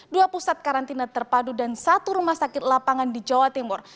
dua pusat karantina terpadu dan satu rumah sakit lapangan di jawa timur